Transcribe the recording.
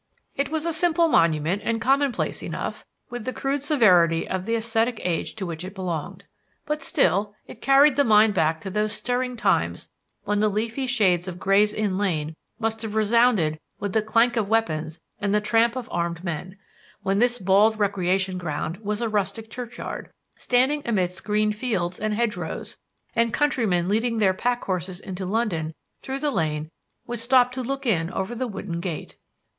It was a simple monument and commonplace enough, with the crude severity of the ascetic age to which it belonged. But still, it carried the mind back to those stirring times when the leafy shades of Gray's Inn Lane must have resounded with the clank of weapons and the tramp of armed men; when this bald recreation ground was a rustic churchyard, standing amidst green fields and hedgerows, and countrymen leading their pack horses into London through the Lane would stop to look in over the wooden gate.